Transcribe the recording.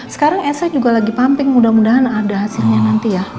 sekarang efek juga lagi pumping mudah mudahan ada hasilnya nanti ya